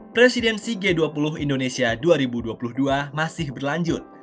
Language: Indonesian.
presidensi g dua puluh indonesia dua ribu dua puluh dua masih berlanjut